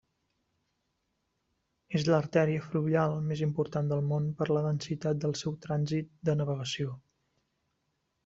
És l'artèria fluvial més important del món per la densitat del seu trànsit de navegació.